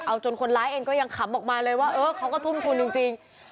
เอาจนคนร้ายเองก็ยังขำออกมาเลยว่าเออเขาก็ทุ่มทุนจริง